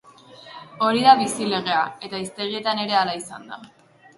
Hori da bizi legea, eta hiztegietan ere hala izan da.